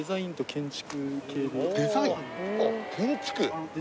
建築？